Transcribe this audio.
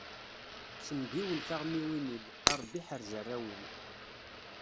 Sembiwel taɣmiwin-im, a Ṛebbi ḥerz arraw-im.